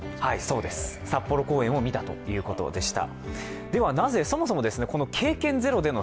そうです、札幌公演を見たということでした。